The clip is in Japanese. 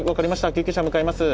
救急車向かいます。